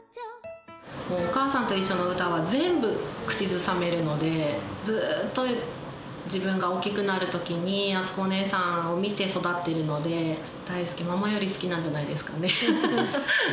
おかあさんといっしょの歌は全部口ずさめるので、ずっと自分が大きくなるときに、あつこお姉さんを見て育っているので、大好き、ママより好きなんじゃないですかね。